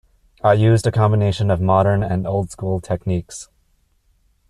I used a combination of modern and old school techniques.